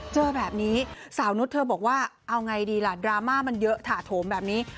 เจอแบบนี้สาวนุษย์เธอบอกว่าเอาไงดีล่ะดราม่ามันเยอะถาโถมแบบนี้